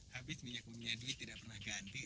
habis minyak minyak duit tidak pernah ganti sih